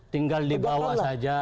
tinggal dibawa saja